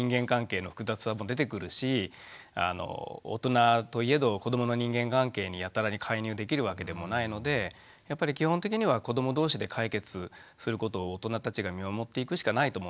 大人といえど子どもの人間関係にやたらに介入できるわけでもないのでやっぱり基本的には子ども同士で解決することを大人たちが見守っていくしかないと思うんですね。